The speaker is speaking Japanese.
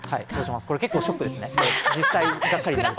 これ、結構ショックですね。